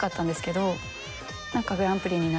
何か。